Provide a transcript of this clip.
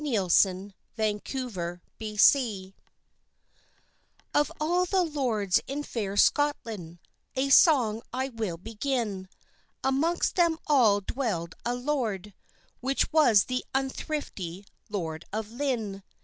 THE HEIR OF LYNNE OF all the lords in faire Scotland A song I will begin: Amongst them all dwelled a lord Which was the unthrifty Lord of Lynne.